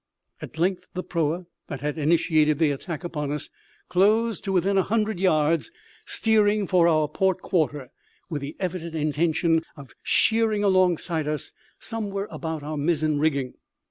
At length the proa that had initiated the attack upon us closed to within a hundred yards, steering for our port quarter, with the evident intention of sheering alongside us somewhere about our mizzen rigging.